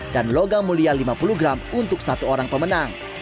dan logam mulia lima puluh gram untuk satu orang pemenang